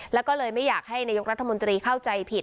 แล้วก็เลยไม่อยากให้นายกรัฐมนตรีเข้าใจผิด